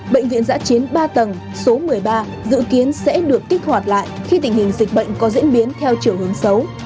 bệnh viện giã chiến ba tầng số một mươi ba dự kiến sẽ được kích hoạt lại khi tình hình dịch bệnh có diễn biến theo chiều hướng xấu